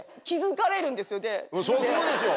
そりゃそうでしょう。